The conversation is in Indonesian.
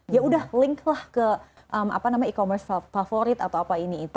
ya udah link lah ke e commerce favorit atau apa ini itu